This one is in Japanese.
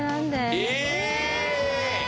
え！